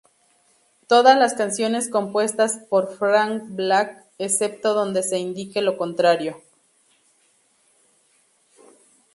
Todas las canciones compuestas por Frank Black, excepto donde se indique lo contrario.